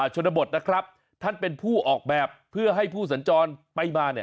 ชนบทนะครับท่านเป็นผู้ออกแบบเพื่อให้ผู้สัญจรไปมาเนี่ย